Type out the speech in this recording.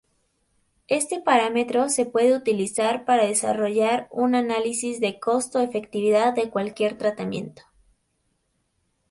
Este parámetro se puede utilizar para desarrollar un análisis de costo-efectividad de cualquier tratamiento.